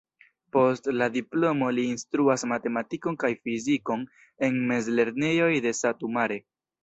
Post la diplomo li instruas matematikon kaj fizikon en mezlernejoj de Satu Mare.